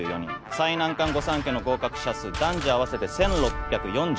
最難関御三家の合格者数男女合わせて１６４３人。